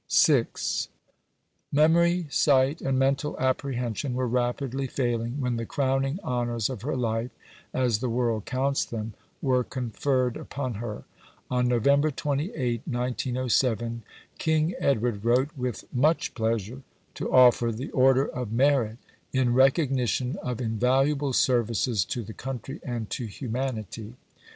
VI Memory, sight, and mental apprehension were rapidly failing when the crowning honours of her life (as the world counts them) were conferred upon her. On November 28, 1907, King Edward wrote with "much pleasure," to offer the Order of Merit "in recognition of invaluable services to the country and to humanity."